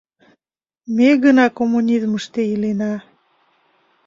— Ме гына коммунизмыште илена.